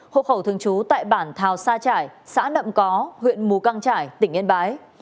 hộ khẩu thường trú tại bản thào sa trải xã nậm có huyện mù căng trải tỉnh yên bái